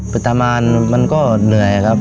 เพื่อทามานมันก็เหนื่อยครับ